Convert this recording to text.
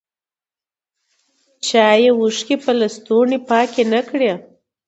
چایې اوښکي په لستوڼي پاکي نه کړې